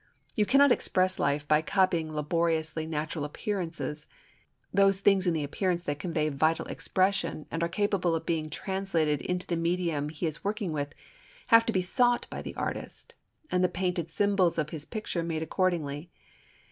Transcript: You cannot express life by copying laboriously natural appearances. Those things in the appearance that convey vital expression and are capable of being translated into the medium he is working with, have to be sought by the artist, and the painted symbols of his picture made accordingly.